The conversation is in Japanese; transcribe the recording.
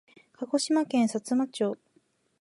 鹿児島県さつま町